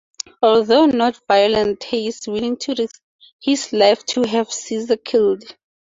Although not violent, he is willing to risk his life to have Caesar killed.